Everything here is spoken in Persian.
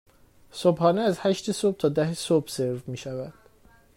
صبحانه از هشت صبح تا ده صبح سرو می شود.